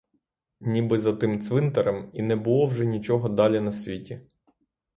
Ніби за тим цвинтарем і не було вже нічого далі на світі.